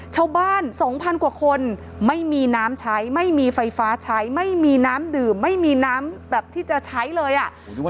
ชาวบ้าน๒๐๐กว่าคนไม่มีน้ำใช้ไม่มีไฟฟ้าใช้ไม่มีน้ำดื่มไม่มีน้ำแบบที่จะใช้เลยอ่ะ